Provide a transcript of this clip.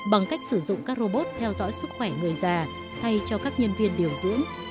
bằng cách sử dụng các robot theo dõi sức khỏe người già thay cho các nhân viên điều dưỡng